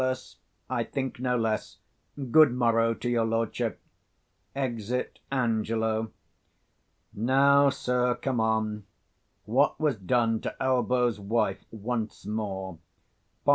_ I think no less. Good morrow to your lordship. [Exit Angelo. Now, sir, come on: what was done to Elbow's wife, once more? _Pom.